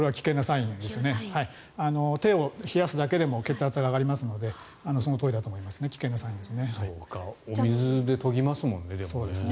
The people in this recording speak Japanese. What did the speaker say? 手を冷やすだけでも血圧が上がりますのでそのとおりだと思いますね。